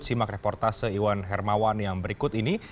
simak reportase iwan hermawan yang berikut ini